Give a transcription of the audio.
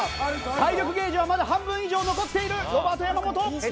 体力ゲージはまだ半分以上残っているロバート山本。